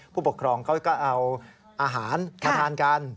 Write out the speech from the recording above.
ผู้ปกครองเขาก็เอาอาหารมาทานกัน